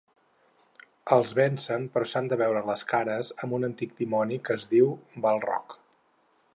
Els vencen però s'han de veure les cares amb un antic dimoni que es diu Balrog.